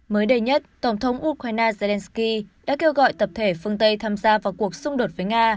mới đây nhất tổng thống ukraine zelensky đã kêu gọi tập thể phương tây tham gia vào cuộc xung đột với nga